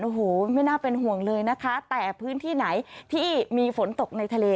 โอ้โหไม่น่าเป็นห่วงเลยนะคะแต่พื้นที่ไหนที่มีฝนตกในทะเล